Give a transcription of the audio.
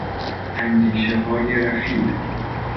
اندیشههای رفیع